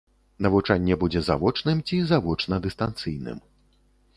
Навучанне будзе завочным ці завочна-дыстанцыйным.